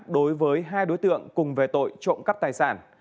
đối với hai đối tượng cùng về tội trộm cắp tài sản